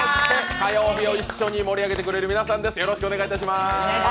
火曜日を一緒に盛り上げてくれる皆さんです。